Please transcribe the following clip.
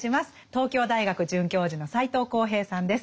東京大学准教授の斎藤幸平さんです。